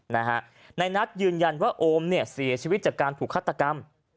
นายนัทยืนยันว่าโอมเนี่ยเสียชีวิตจากการถูกฆาตกรรม